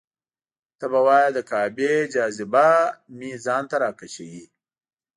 ته به وایې د کعبې جاذبه مې ځان ته راکشوي.